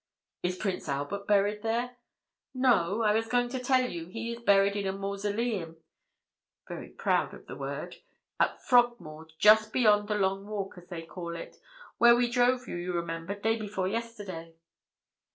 "Is Prince Albert buried there?" "No; I was going to tell you he is buried in a mausoleum (very proud of the word) at Frogmore, just beyond the Long Walk, as they call it, where we drove you, you remember, day before yesterday."